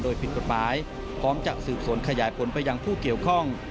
โดยผิดกฎหมายพร้อมจะสืบสวนขยายผลไปยังผู้เกี่ยวข้อง